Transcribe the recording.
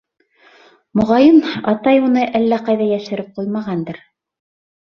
Моғайын, атай уны әллә ҡайҙа йәшереп ҡуймағандыр.